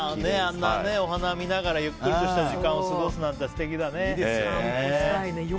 あんなお花を見ながらゆっくりとした時間を過ごすなんて、素敵だね。